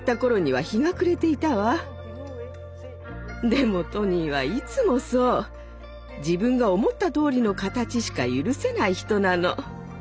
でもトニーはいつもそう。自分が思ったとおりの形しか許せない人なの。